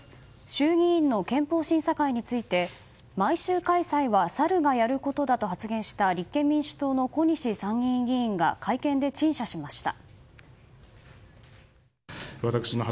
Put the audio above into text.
衆議院の憲法審査会について毎週開催はサルがやることだと発言した立憲民主党の小西参議院議員が会見で陳謝しました。